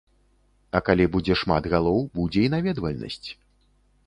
А калі будзе шмат галоў, будзе і наведвальнасць.